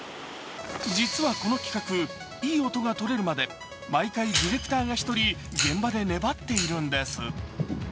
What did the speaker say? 実はこの企画、いい音が撮れるまで毎回、ディレクターが１人、現場で粘っているんです。